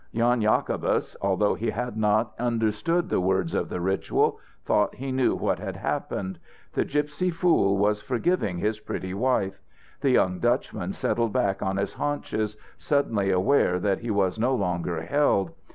Jan Jacobus, although he had not understood the words of the ritual, thought he knew what had happened. The gypsy fool was forgiving his pretty wife. The young Dutchman settled back on his haunches, suddenly aware that he was no longer held.